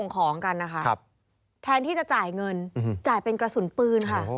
ก็ติดต่อมาขอซื้อ